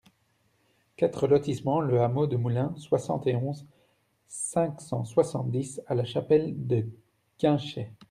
quatre lotissement Le Hameau du Moulin, soixante et onze, cinq cent soixante-dix à La Chapelle-de-Guinchay